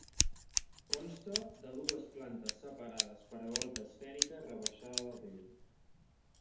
Consta de dues plantes separades per volta esfèrica rebaixada de pedra.